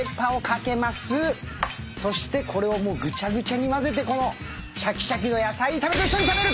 そしてこれをもうぐちゃぐちゃにまぜてこのシャキシャキの野菜炒めと一緒に食べる！